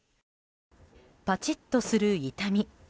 パチッとする痛み。